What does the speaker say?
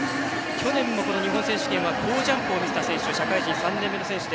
去年もこの日本選手権は好ジャンプを見せた社会人３年目の選手。